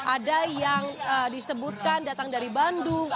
ada yang disebutkan datang dari bandung